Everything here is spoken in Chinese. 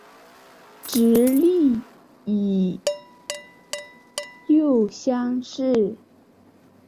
直隶乙酉乡试。